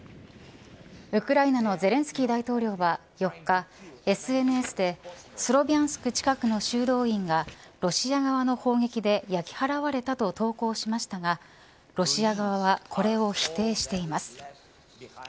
ウクライナのゼレンスキー大統領は、４日ＳＮＳでスロビャンスク近くの修道院がロシア側の砲撃で焼き払われたと投稿しましたがロシア側はこれを否定しています。